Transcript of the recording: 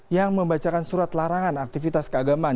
yang membacakan surat larangan aktivitas keagamaan